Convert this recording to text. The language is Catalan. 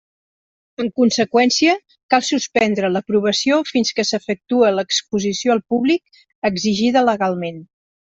En conseqüència, cal suspendre l'aprovació fins que s'efectue l'exposició al públic exigida legalment.